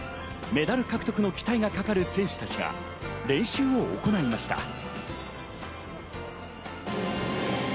メダル獲得の期待がかかる選手たちが練習を行いました。